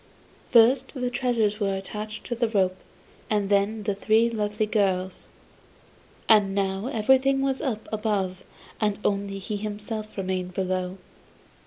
First the treasures were attached to the rope and then the three lovely girls. And now everything was up above and only he himself remained below.